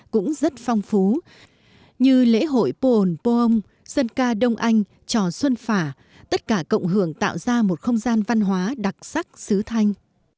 các di sản văn hóa phong phú như lễ hội pồn pô âm dân ca đông anh trò xuân phả tất cả cộng hưởng tạo ra một không gian văn hóa đặc sắc sứ thanh